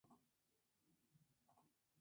Puc ser-ho tot